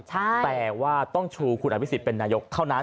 แต่ว่าต้องชูคุณอภิษฎเป็นนายกเท่านั้น